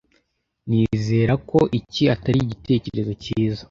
Nizera ko iki atari igitekerezo cyiza